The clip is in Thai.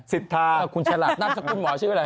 สิทธาคุณฉลาดนามสกุลหมอชื่ออะไร